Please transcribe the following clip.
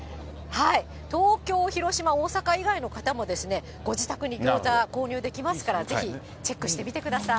東京、広島、大阪以外の方もですね、ご自宅に餃子購入できますから、ぜひチェックしてみてください。